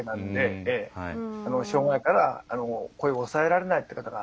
障害から声を抑えられないという方が。